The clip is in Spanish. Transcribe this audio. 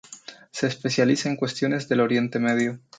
Se especializa en cuestiones del Oriente Medio.